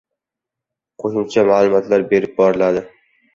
Qo'shmcha ma'lumotlar berib boriladi.